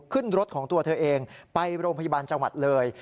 ขึ้นรถของตัวเธอเองไปโรงพยาบาลจังหวัดเลย